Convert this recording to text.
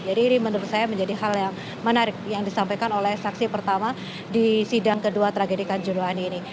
jadi ini menurut saya menjadi hal yang menarik yang disampaikan oleh saksi pertama di sidang kedua tragedi kejuruhan ini